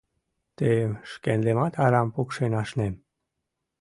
Тыйым шкендымат арам пукшен ашнем!